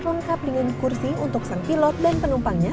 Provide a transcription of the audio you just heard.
lengkap dengan kursi untuk sang pilot dan penumpangnya